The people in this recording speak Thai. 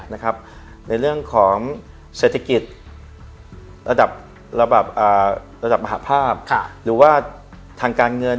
ในเรื่องของเศรษฐกิจระดับระดับมหาภาพหรือว่าทางการเงิน